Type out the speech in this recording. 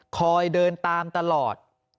คอยเดินตามตลอด